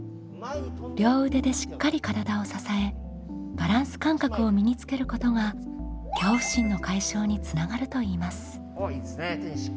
両腕でしっかり体を支えバランス感覚を身につけることが恐怖心の解消につながるといいます。